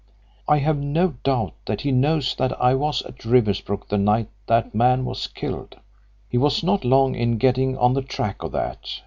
I have no doubt that he knows that I was at Riversbrook the night that man was killed. He was not long in getting on the track of that.